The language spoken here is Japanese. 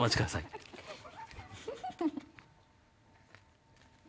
フフフフ。